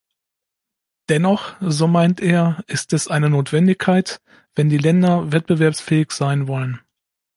Dennoch, so meint er, ist es eine Notwendigkeit, wenn die Länder wettbewerbsfähig sein wollen.